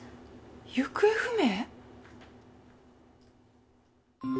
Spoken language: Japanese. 行方不明？